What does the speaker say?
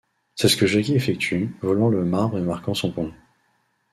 C'est ce que Jackie effectue, volant le marbre et marquant son point.